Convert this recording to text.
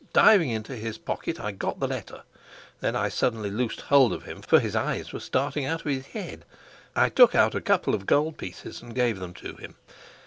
Diving into his pocket, I got the letter. Then I suddenly loosed hold of him, for his eyes were starting out of his head. I took out a couple of gold pieces and gave them to him.